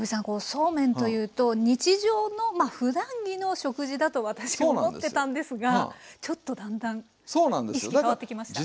そうめんというと日常のまあふだん着の食事だと私思ってたんですがちょっとだんだん意識変わってきました。